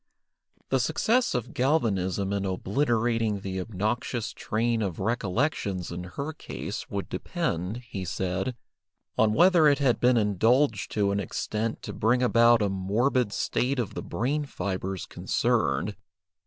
The success of galvanism in obliterating the obnoxious train of recollections in her case would depend, he said, on whether it had been indulged to an extent to bring about a morbid state of the brain fibres concerned.